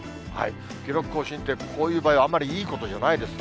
記録更新って、こういう場合はあまりいいことじゃないです。